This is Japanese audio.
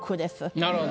なるほど。